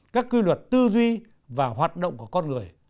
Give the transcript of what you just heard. các quy luật tư duy và hoạt động của con người